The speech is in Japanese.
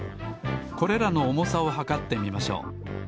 これらのおもさをはかってみましょう。